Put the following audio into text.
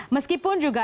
meskipun juga nbk